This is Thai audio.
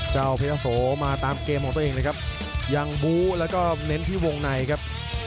เจ้าเพชรโสมาตามเกมของตัวเองเลยครับยังบู้แล้วก็เน้นที่วงในครับ